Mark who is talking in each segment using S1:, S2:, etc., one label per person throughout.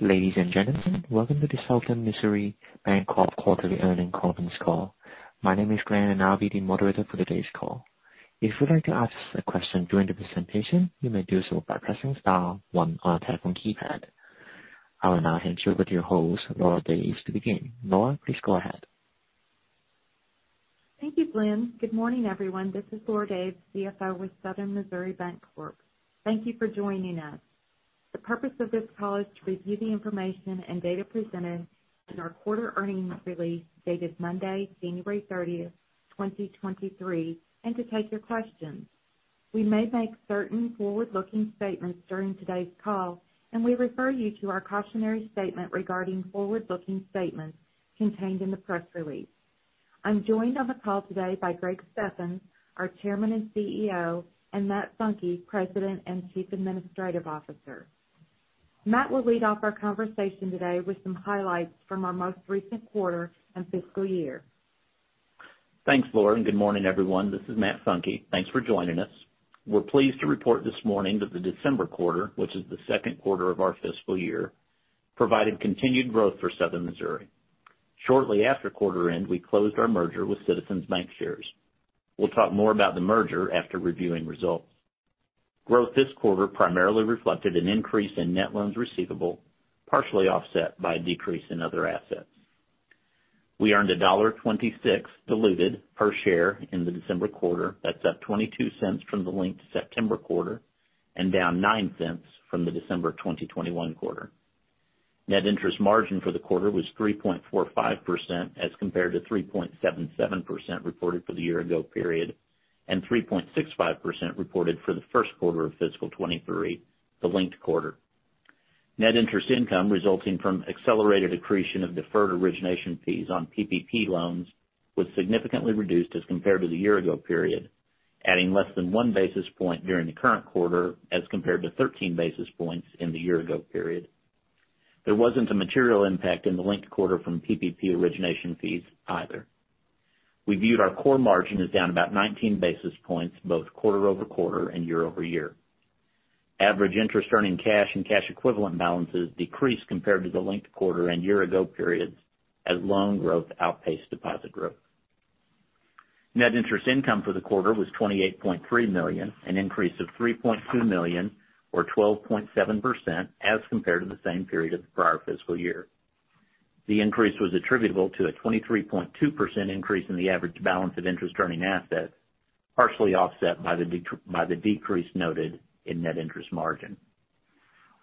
S1: Ladies and gentlemen, welcome to the Southern Missouri Bancorp quarterly earnings conference call. My name is Glenn, I'll be the moderator for today's call. If you'd like to ask a question during the presentation, you may do so by pressing star one on your telephone keypad. I will now hand you over to your host, Lora Daves, to begin. Lora, please go ahead.
S2: Thank you, Glenn. Good morning, everyone. This is Lora Daves, CFO with Southern Missouri Bancorp. Thank you for joining us. The purpose of this call is to review the information and data presented in our quarter earnings release dated Monday, January 30th, 2023, and to take your questions. We may make certain forward-looking statements during today's call, and we refer you to our cautionary statement regarding forward-looking statements contained in the press release. I'm joined on the call today by Greg Steffens, our Chairman and CEO, and Matt Funke, President and Chief Administrative Officer. Matt will lead off our conversation today with some highlights from our most recent quarter and fiscal year.
S3: Thanks, Lora. Good morning, everyone. This is Matt Funke. Thanks for joining us. We're pleased to report this morning that the December quarter, which is the second quarter of our fiscal year, provided continued growth for Southern Missouri. Shortly after quarter end, we closed our merger with Citizens Bancshares Co. We'll talk more about the merger after reviewing results. Growth this quarter primarily reflected an increase in net loans receivable, partially offset by a decrease in other assets. We earned $1.26 diluted per share in the December quarter. That's up $0.22 from the linked September quarter and down $0.09 from the December 2021 quarter. Net interest margin for the quarter was 3.45% as compared to 3.77% reported for the year-ago period, and 3.65% reported for the first quarter of fiscal 2023, the linked quarter. Net interest income resulting from accelerated accretion of deferred origination fees on PPP loans was significantly reduced as compared to the year-ago period, adding less than 1 basis point during the current quarter as compared to 13 basis points in the year-ago period. There wasn't a material impact in the linked quarter from PPP origination fees either. We viewed our core margin as down about 19 basis points, both quarter-over-quarter and year-over-year. Average interest earning cash and cash equivalent balances decreased compared to the linked quarter and year-ago periods as loan growth outpaced deposit growth. Net interest income for the quarter was $28.3 million, an increase of $3.2 million or 12.7% as compared to the same period of the prior fiscal year. The increase was attributable to a 23.2% increase in the average balance of interest-earning assets, partially offset by the decrease noted in net interest margin.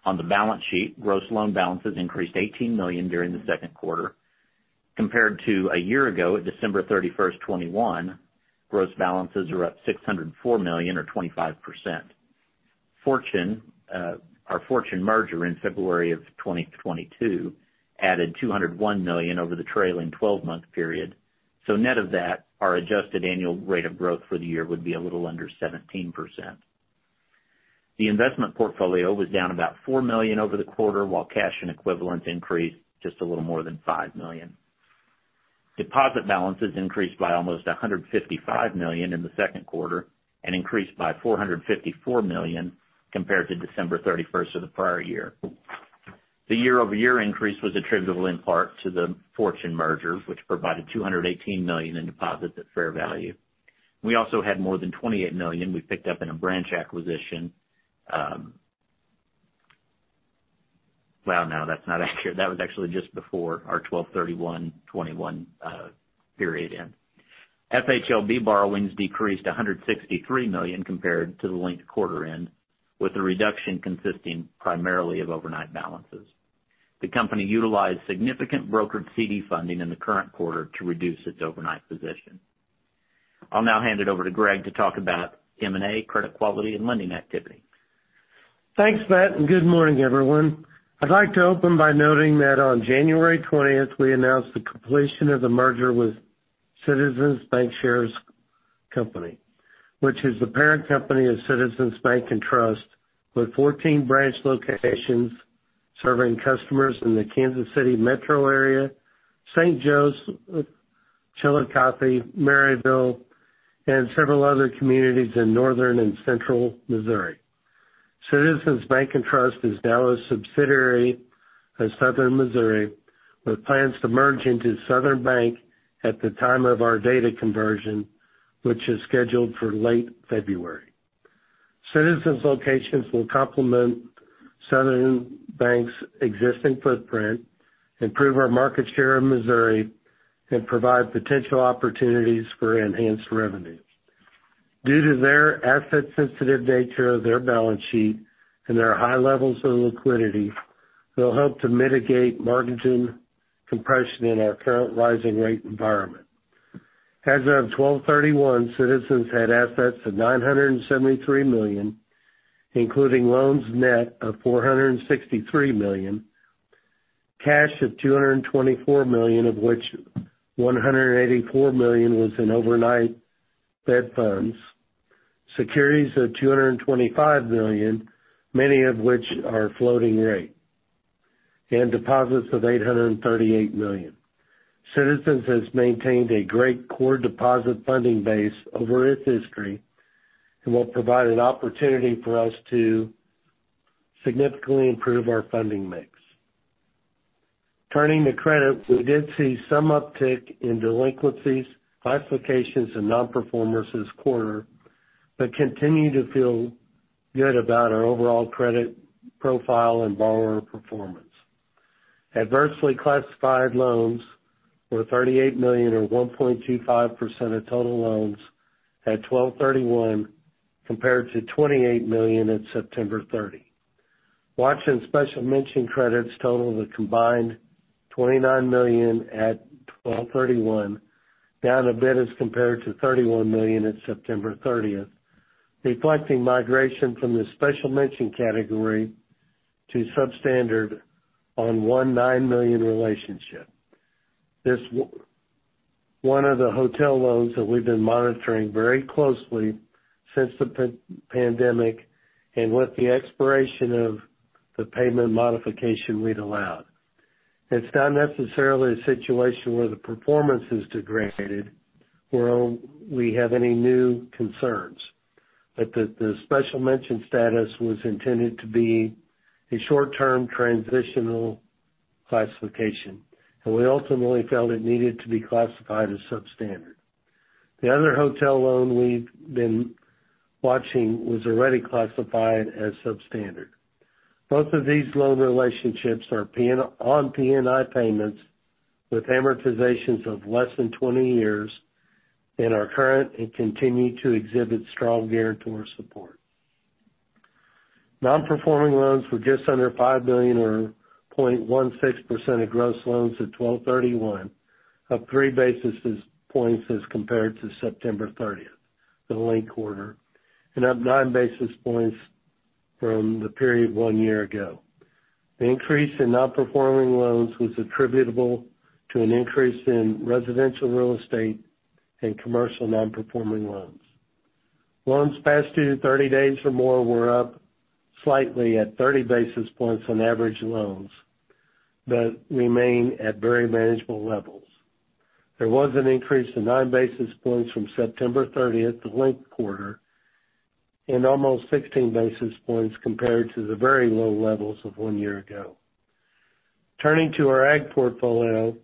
S3: On the balance sheet, gross loan balances increased $18 million during the second quarter. Compared to a year ago at December 31st, 2021, gross balances are up $604 million or 25%. Our Fortune merger in February 2022 added $201 million over the trailing 12 month period, net of that, our adjusted annual rate of growth for the year would be a little under 17%. The investment portfolio was down about $4 million over the quarter, while cash and equivalents increased just a little more than $5 million. Deposit balances increased by almost $155 million in the second quarter and increased by $454 million compared to December 31st of the prior year. The year-over-year increase was attributable in part to the Fortune merger, which provided $218 million in deposits at fair value. We also had more than $28 million we picked up in a branch acquisition. Well, no, that's not accurate. That was actually just before our 12/31/2021 period end. FHLB borrowings decreased $163 million compared to the linked quarter end, with the reduction consisting primarily of overnight balances. The company utilized significant brokered CD funding in the current quarter to reduce its overnight position. I'll now hand it over to Greg to talk about M&A, credit quality, and lending activity.
S4: Thanks, Matt. Good morning, everyone. I'd like to open by noting that on January 20th, we announced the completion of the merger with Citizens Bancshares Company, which is the parent company of Citizens Bank and Trust with 14 branch locations serving customers in the Kansas City metro area, St. Joe, Chillicothe, Maryville, and several other communities in northern and central Missouri. Citizens Bank and Trust is now a subsidiary of Southern Missouri, with plans to merge into Southern Bank at the time of our data conversion, which is scheduled for late February. Citizens locations will complement Southern Bank's existing footprint, improve our market share in Missouri, and provide potential opportunities for enhanced revenue. Due to their asset-sensitive nature of their balance sheet and their high levels of liquidity, they'll help to mitigate margin compression in our current rising rate environment. As of 12/31, Citizens had assets of $973 million, including loans net of $463 million, cash of $224 million, of which $184 million was in overnight Fed funds, securities of $225 million, many of which are floating rate. Deposits of $838 million. Citizens has maintained a great core deposit funding base over its history and will provide an opportunity for us to significantly improve our funding mix. Turning to credit, we did see some uptick in delinquencies, classifications and non-performers this quarter, but continue to feel good about our overall credit profile and borrower performance. Adversely classified loans were $38 million or 1.25% of total loans at 12/31, compared to $28 million at September 30. Watch and special mention credits totaled a combined $29 million at 12/31, down a bit as compared to $31 million at September 30th, reflecting migration from the special mention category to substandard on a $1.9 million relationship. This one of the hotel loans that we've been monitoring very closely since the pandemic and with the expiration of the payment modification we'd allowed. It's not necessarily a situation where the performance is degraded or we have any new concerns, but the special mention status was intended to be a short-term transitional classification, and we ultimately felt it needed to be classified as substandard. The other hotel loan we've been watching was already classified as substandard. Both of these loan relationships are on PNI payments with amortizations of less than 20 years and are current and continue to exhibit strong guarantor support. Non-performing loans were just under $5 billion, or 0.16% of gross loans at 12/31, up 3 basis points as compared to September 30th, the linked quarter, and up 9 basis points from the period one year ago. The increase in non-performing loans was attributable to an increase in residential real estate and commercial non-performing loans. Loans past due 30 days or more were up slightly at 30 basis points on average loans, but remain at very manageable levels. There was an increase of 9 basis points from September 30th, the linked quarter, and almost 16 basis points compared to the very low levels of one year ago. Turning to our ag portfolio,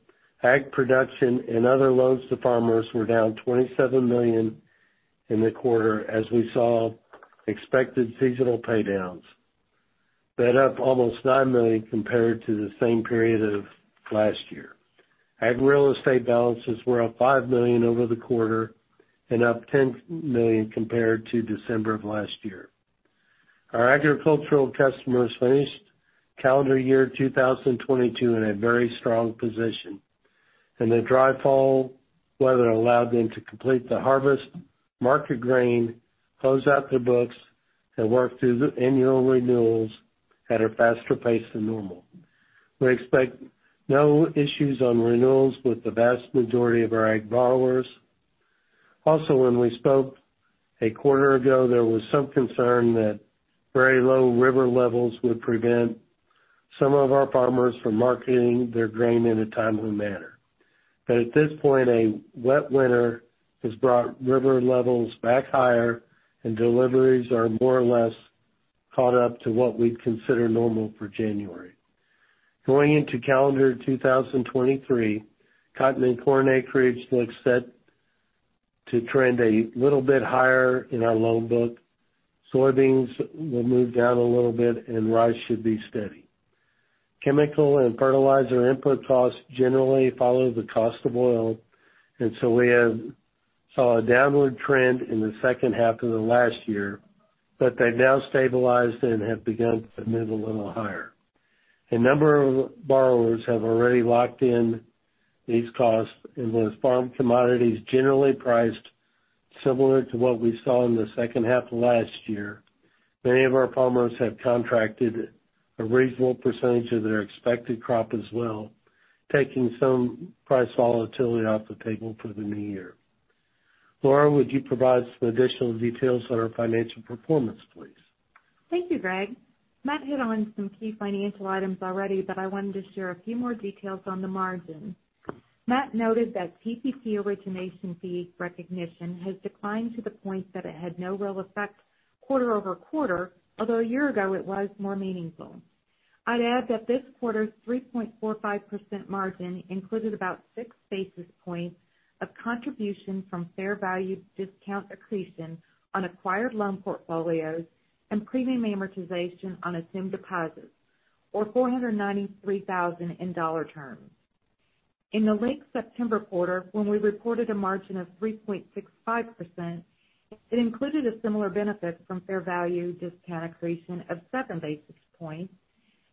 S4: ag production and other loans to farmers were down $27 million in the quarter as we saw expected seasonal pay downs, but up almost $9 million compared to the same period of last year. Ag real estate balances were up $5 million over the quarter and up $10 million compared to December of last year. Our agricultural customers finished calendar year 2022 in a very strong position, and the dry fall weather allowed them to complete the harvest, market grain, close out their books, and work through the annual renewals at a faster pace than normal. We expect no issues on renewals with the vast majority of our ag borrowers. Also, when we spoke a quarter ago, there was some concern that very low river levels would prevent some of our farmers from marketing their grain in a timely manner. At this point, a wet winter has brought river levels back higher, and deliveries are more or less caught up to what we'd consider normal for January. Going into calendar 2023, cotton and corn acreage looks set to trend a little bit higher in our loan book. Soybeans will move down a little bit and rice should be steady. Chemical and fertilizer input costs generally follow the cost of oil, and so we have saw a downward trend in the second half of the last year, but they've now stabilized and have begun to move a little higher. A number of borrowers have already locked in these costs, and with farm commodities generally priced similar to what we saw in the second half of last year, many of our farmers have contracted a reasonable percentage of their expected crop as well, taking some price volatility off the table for the new year. Lora, would you provide some additional details on our financial performance, please?
S2: Thank you, Greg. Matt hit on some key financial items already, but I wanted to share a few more details on the margin. Matt noted that PPP origination fee recognition has declined to the point that it had no real effect quarter-over-quarter, although a year ago it was more meaningful. I'd add that this quarter's 3.45% margin included about 6 basis points of contribution from fair value discount accretion on acquired loan portfolios and premium amortization on assumed deposits, or $493,000 in dollar terms. In the linked September quarter, when we reported a margin of 3.65%, it included a similar benefit from fair value discount accretion of 7 basis points.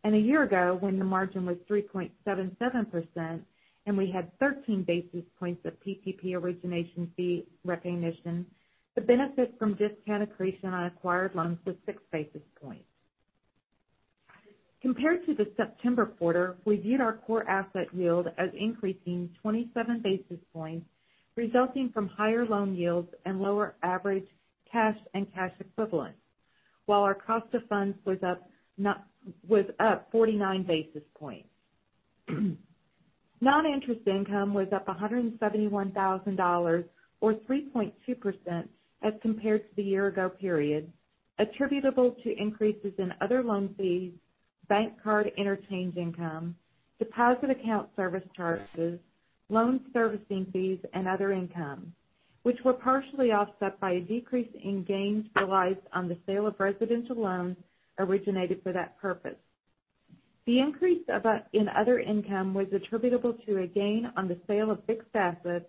S2: A year ago, when the margin was 3.77% and we had 13 basis points of PPP origination fee recognition, the benefit from discount accretion on acquired loans was 6 basis points. Compared to the September quarter, we view our core asset yield as increasing 27 basis points, resulting from higher loan yields and lower average cash and cash equivalents. Our cost of funds was up 49 basis points. Non-interest income was up $171,000 or 3.2% as compared to the year ago period, attributable to increases in other loan fees, bank card interchange income, deposit account service charges, loan servicing fees, and other income, which were partially offset by a decrease in gains realized on the sale of residential loans originated for that purpose. The increase in other income was attributable to a gain on the sale of fixed assets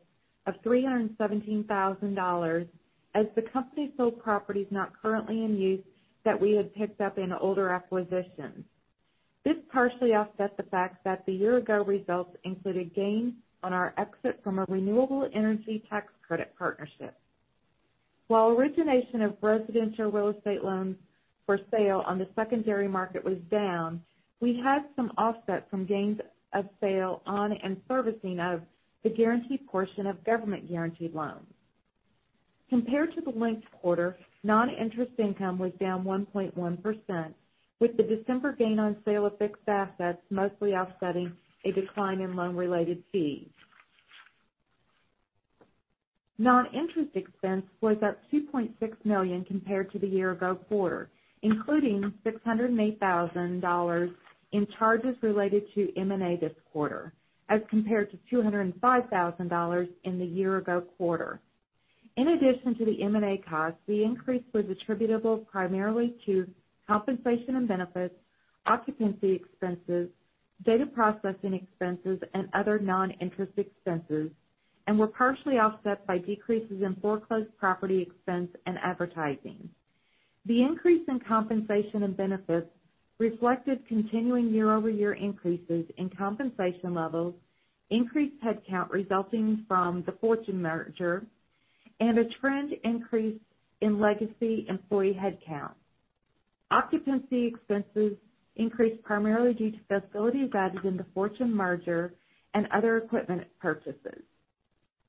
S2: of $317,000 as the company sold properties not currently in use that we had picked up in older acquisitions. This partially offset the fact that the year ago results included gains on our exit from a renewable energy tax credit partnership. While origination of residential real estate loans for sale on the secondary market was down, we had some offset from gains of sale on and servicing of the guaranteed portion of government-guaranteed loans. Compared to the linked quarter, non-interest income was down 1.1%, with the December gain on sale of fixed assets mostly offsetting a decline in loan-related fees. Non-interest expense was up $2.6 million compared to the year-ago quarter, including $608,000 in charges related to M&A this quarter, as compared to $205,000 in the year-ago quarter. In addition to the M&A costs, the increase was attributable primarily to compensation and benefits, occupancy expenses, data processing expenses, and other non-interest expenses, and were partially offset by decreases in foreclosed property expense and advertising. The increase in compensation and benefits reflected continuing year-over-year increases in compensation levels, increased headcount resulting from the Fortune merger, and a trend increase in legacy employee headcount. Occupancy expenses increased primarily due to facilities added in the Fortune merger and other equipment purchases.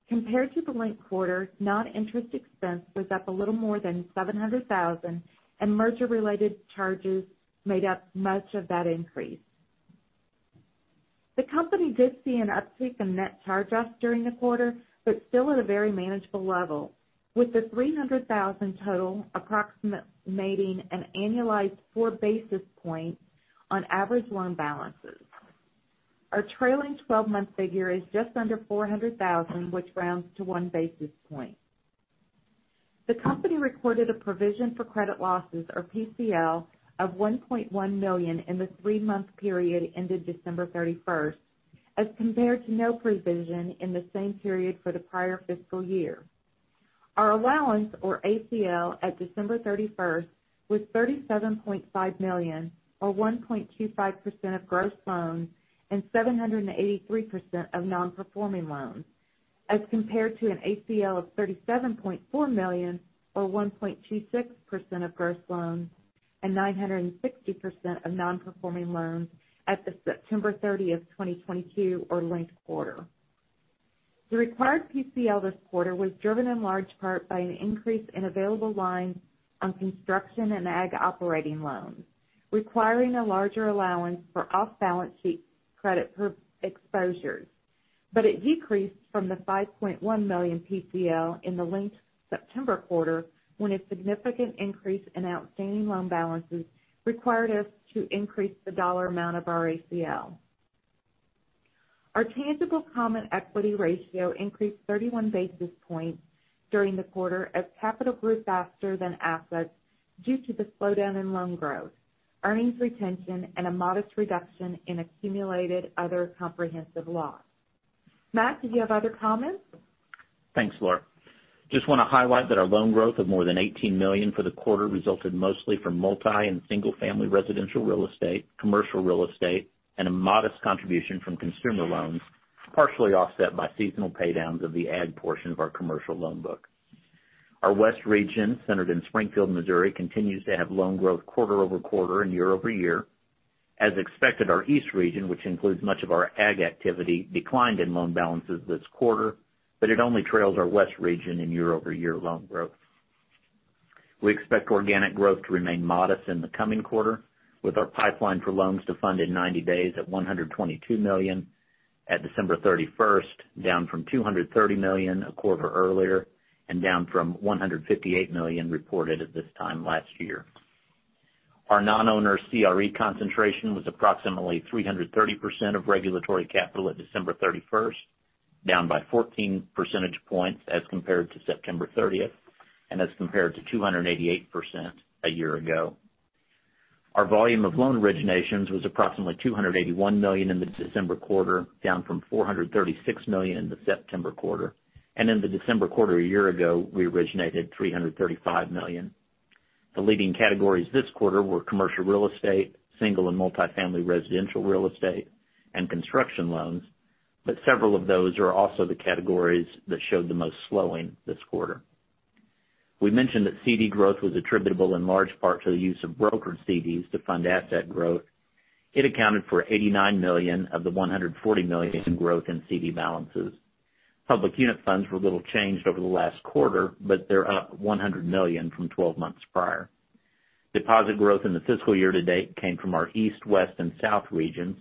S2: Compared to the linked quarter, non-interest expense was up a little more than $700,000, and merger-related charges made up much of that increase. The company did see an uptick in net charge-offs during the quarter, but still at a very manageable level, with the $300,000 total approximating an annualized 4 basis points on average loan balances. Our trailing twelve-month figure is just under $400,000, which rounds to 1 basis point. The company recorded a provision for credit losses, or PCL, of $1.1 million in the three-month period ended December 31st, as compared to no provision in the same period for the prior fiscal year. Our allowance, or ACL, at December 31st was $37.5 million, or 1.25% of gross loans and 783% of non-performing loans, as compared to an ACL of $37.4 million or 1.26% of gross loans and 960% of non-performing loans at the September 30th, 2022 or linked quarter. The required PCL this quarter was driven in large part by an increase in available lines on construction and ag operating loans, requiring a larger allowance for off-balance sheet credit per exposures. It decreased from the $5.1 million PCL in the linked September quarter, when a significant increase in outstanding loan balances required us to increase the dollar amount of our ACL. Our tangible common equity ratio increased 31 basis points during the quarter as capital grew faster than assets due to the slowdown in loan growth, earnings retention, and a modest reduction in accumulated other comprehensive loss. Matt, did you have other comments?
S3: Thanks, Lora. Just wanna highlight that our loan growth of more than $18 million for the quarter resulted mostly from multi and single-family residential real estate, commercial real estate, and a modest contribution from consumer loans, partially offset by seasonal pay downs of the ag portion of our commercial loan book. Our West region, centered in Springfield, Missouri, continues to have loan growth quarter-over-quarter and year-over-year. As expected, our East region, which includes much of our ag activity, declined in loan balances this quarter, but it only trails our West region in year-over-year loan growth. We expect organic growth to remain modest in the coming quarter, with our pipeline for loans to fund in 90 days at $122 million at December 31st, down from $230 million a quarter earlier and down from $158 million reported at this time last year. Our non-owner CRE concentration was approximately 330% of regulatory capital at December 31st, down by 14 percentage points as compared to September 30th, as compared to 288% a year ago. Our volume of loan originations was approximately $281 million in the December quarter, down from $436 million in the September quarter. In the December quarter a year ago, we originated $335 million. The leading categories this quarter were commercial real estate, single and multi-family residential real estate, and construction loans. Several of those are also the categories that showed the most slowing this quarter. We mentioned that CD growth was attributable in large part to the use of brokered CDs to fund asset growth. It accounted for $89 million of the $140 million in growth in CD balances. public unit funds were a little changed over the last quarter. They're up $100 million from 12 months prior. Deposit growth in the fiscal year to date came from our east, west, and south regions,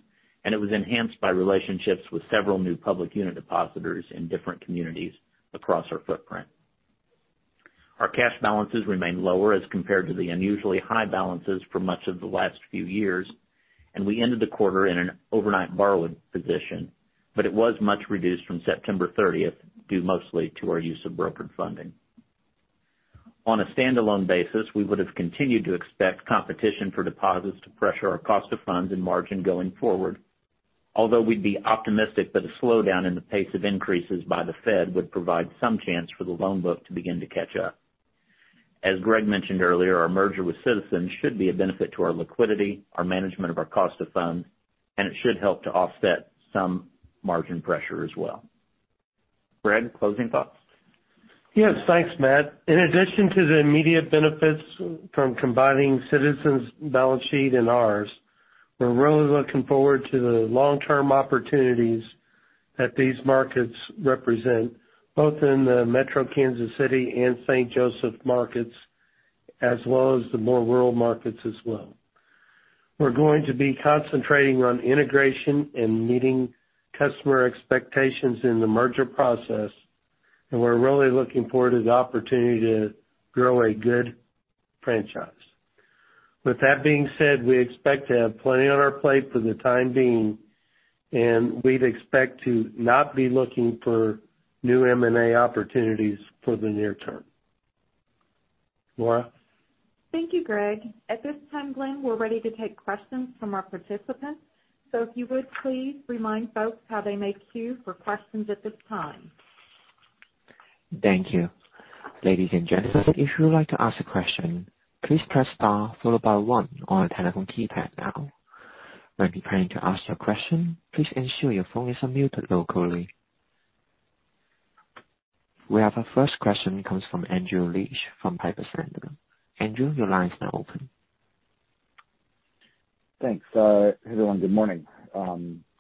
S3: and it was enhanced by relationships with several new public unit depositors in different communities across our footprint. Our cash balances remain lower as compared to the unusually high balances for much of the last few years. We ended the quarter in an overnight borrowing position, but it was much reduced from September 30th, due mostly to our use of brokered funding. On a standalone basis, we would have continued to expect competition for deposits to pressure our cost of funds and margin going forward. We'd be optimistic that a slowdown in the pace of increases by the Fed would provide some chance for the loan book to begin to catch up. As Greg mentioned earlier, our merger with Citizens should be a benefit to our liquidity, our management of our cost of funds, and it should help to offset some margin pressure as well. Greg, closing thoughts?
S4: Yes, thanks, Matt. In addition to the immediate benefits from combining Citizens' balance sheet and ours, we're really looking forward to the long-term opportunities that these markets represent, both in the metro Kansas City and St. Joseph markets, as well as the more rural markets as well. We're going to be concentrating on integration and meeting customer expectations in the merger process, and we're really looking forward to the opportunity to grow a good franchise. With that being said, we expect to have plenty on our plate for the time being, and we'd expect to not be looking for new M&A opportunities for the near term. Lora?
S2: Thank you, Greg. At this time, Glenn, we're ready to take questions from our participants. If you would please remind folks how they may queue for questions at this time.
S1: Thank you. Ladies and gentlemen, if you would like to ask a question, please press star followed by one on your telephone keypad now. When preparing to ask your question, please ensure your phone is unmuted locally. We have our first question comes from Andrew Leisch from Piper Sandler. Andrew, your line is now open.
S5: Thanks, everyone. Good morning.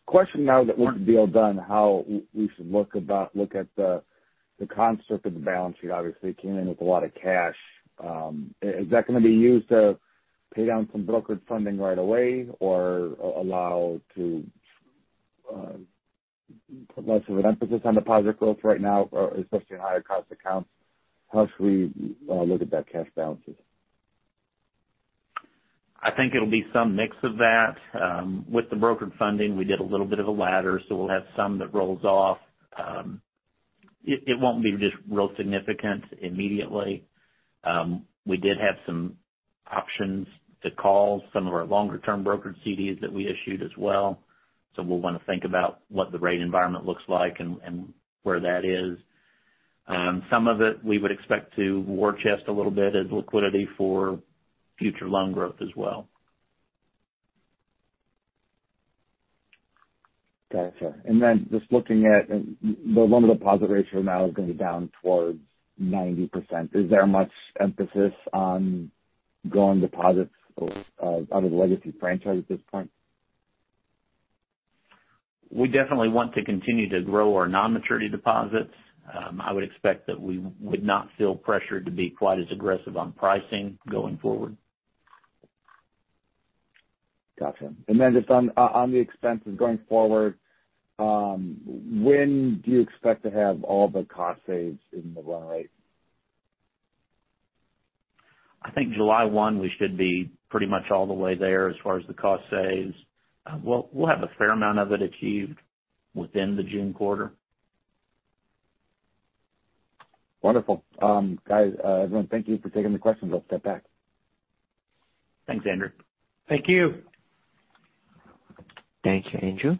S5: Question now that with the deal done, how we should look at the construct of the balance sheet. Obviously, you came in with a lot of cash. Is that gonna be used to pay down some brokered funding right away or allow to put less of an emphasis on deposit growth right now, or especially in higher cost accounts? How should we look at that cash balances?
S3: I think it'll be some mix of that. With the brokered funding, we did a little bit of a ladder, so we'll have some that rolls off. It won't be just real significant immediately. We did have some options to call some of our longer-term brokered CDs that we issued as well. We'll wanna think about what the rate environment looks like and where that is. Some of it we would expect to war chest a little bit as liquidity for future loan growth as well.
S5: Gotcha. just looking at, the loan deposit ratio now is gonna be down towards 90%. Is there much emphasis on growing deposits, out of the legacy franchise at this point?
S3: We definitely want to continue to grow our non-maturity deposits. I would expect that we would not feel pressured to be quite as aggressive on pricing going forward.
S5: Gotcha. Just on the expenses going forward, when do you expect to have all the cost saves in the run rate?
S3: I think July 1st, we should be pretty much all the way there as far as the cost saves. We'll have a fair amount of it achieved within the June quarter.
S5: Wonderful. guys, everyone, thank you for taking the questions. I'll step back.
S3: Thanks, Andrew.
S4: Thank you.
S1: Thank you, Andrew.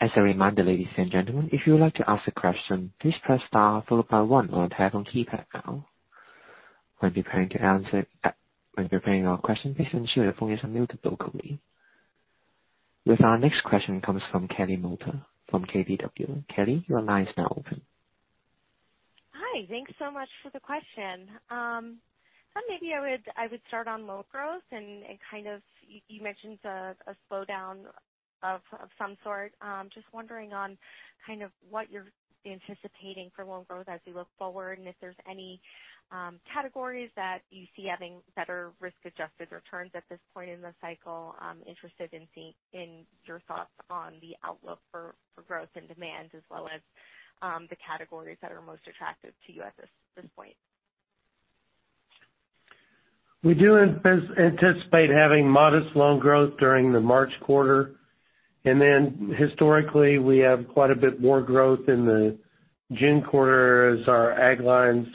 S1: As a reminder, ladies and gentlemen, if you would like to ask a question, please press star followed by one on your telephone keypad now. When preparing your question, please ensure your phone is unmuted locally. With our next question comes from Kelly Motta from KBW. Kelly, your line is now open.
S6: Hi. Thanks so much for the question. Maybe I would start on loan growth and kind of you mentioned a slowdown of some sort. Just wondering on kind of what you're anticipating for loan growth as we look forward, and if there's any categories that you see having better risk-adjusted returns at this point in the cycle? I'm interested in seeing, in your thoughts on the outlook for growth and demand as well as the categories that are most attractive to you at this point.
S4: We do anticipate having modest loan growth during the March quarter. Historically, we have quite a bit more growth in the June quarter as our ag lines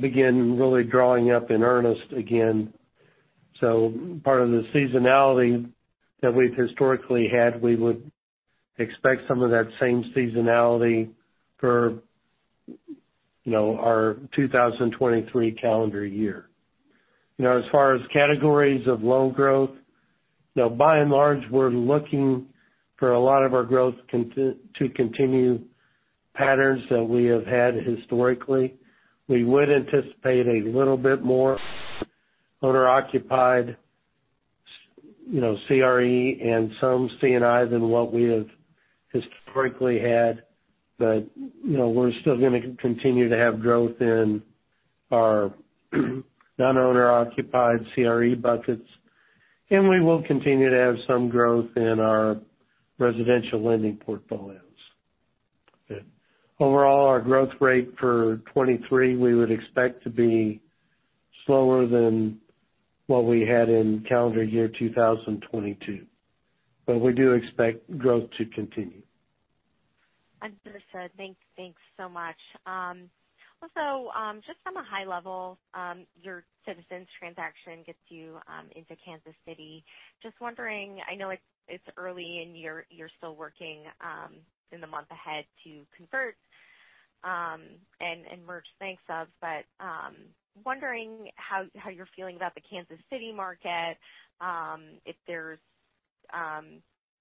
S4: begin really drawing up in earnest again. Part of the seasonality that we've historically had, we would expect some of that same seasonality for, you know, our 2023 calendar year. You know, as far as categories of loan growth, you know, by and large, we're looking for a lot of our growth to continue patterns that we have had historically. We would anticipate a little bit more owner-occupied You know, CRE and some C&I than what we have historically had. We're still gonna continue to have growth in our non-owner occupied CRE buckets, and we will continue to have some growth in our residential lending portfolios. Overall, our growth rate for 2023, we would expect to be slower than what we had in calendar year 2022. We do expect growth to continue.
S6: Understood. Thanks so much. Also, just from a high level, your Citizens transaction gets you into Kansas City. Just wondering, I know it's early and you're still working in the month ahead to convert and merge things up, but wondering how you're feeling about the Kansas City market, if there's, do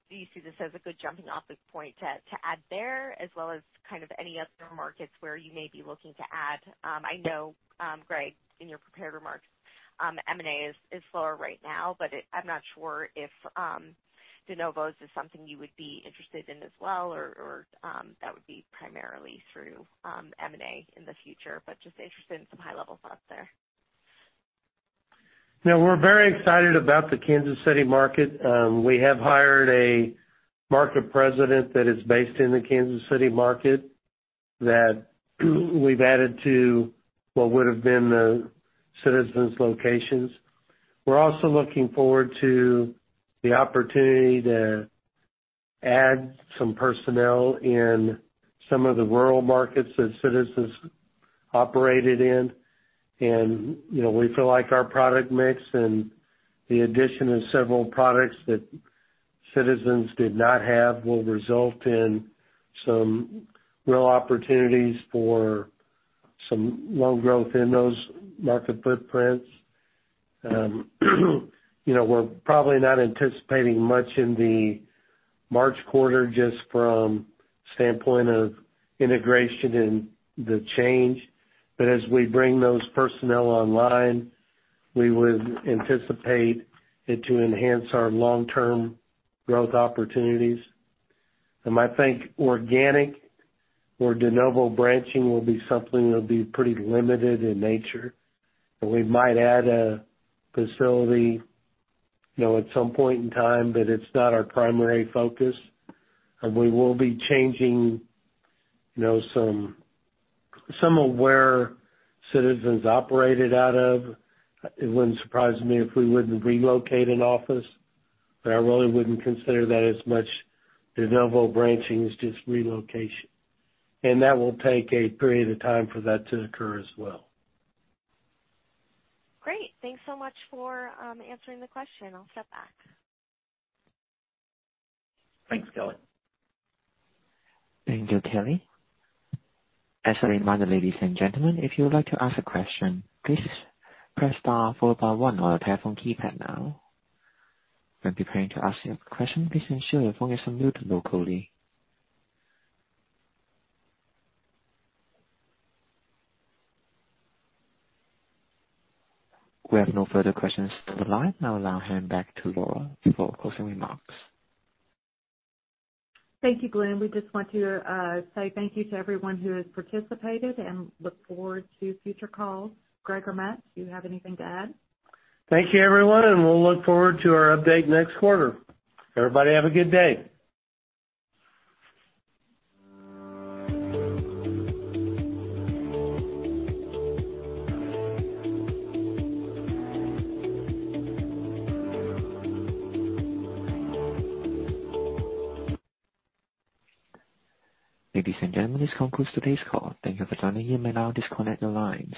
S6: you see this as a good jumping off point to add there as well as kind of any other markets where you may be looking to add? I know, Greg, in your prepared remarks, M&A is slower right now. I'm not sure if [inaudible] is something you would be interested in as well or that would be primarily through M&A in the future. Just interested in some high-level thoughts there.
S4: No, we're very excited about the Kansas City market. We have hired a market president that is based in the Kansas City market that we've added to what would have been the Citizens locations. We're also looking forward to the opportunity to add some personnel in some of the rural markets that Citizens operated in. You know, we feel like our product mix and the addition of several products that Citizens did not have will result in some real opportunities for some loan growth in those market footprints. You know, we're probably not anticipating much in the March quarter just from standpoint of integration and the change. As we bring those personnel online, we would anticipate it to enhance our long-term growth opportunities. I think organic or de novo branching will be something that'll be pretty limited in nature. We might add a facility, you know, at some point in time, but it's not our primary focus. We will be changing, you know, some of where Citizens operated out of. It wouldn't surprise me if we wouldn't relocate an office, but I really wouldn't consider that as much de novo branching as just relocation. That will take a period of time for that to occur as well.
S6: Great. Thanks so much for answering the question. I'll step back.
S4: Thanks, Kelly.
S1: Thank you, Kelly. As a reminder, ladies and gentlemen, if you would like to ask a question, please press star followed by one on your telephone keypad now. When preparing to ask your question, please ensure your phone is on mute locally. We have no further questions to the line. I'll now hand back to Lora for closing remarks.
S2: Thank you, Glenn. We just want to say thank you to everyone who has participated and look forward to future calls. Greg or Matt, do you have anything to add?
S4: Thank you, everyone, and we'll look forward to our update next quarter. Everybody have a good day.
S1: Ladies and gentlemen, this concludes today's call. Thank you for joining. You may now disconnect your lines.